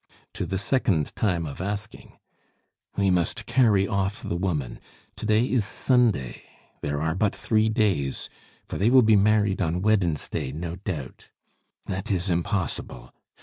"To the second time of asking." "We must carry off the woman. To day is Sunday there are but three days, for they will be married on Wednesday, no doubt; it is impossible.